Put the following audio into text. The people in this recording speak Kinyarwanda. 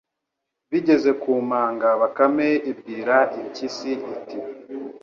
Bigeze ku manga Bakame ibwira impyisi iti :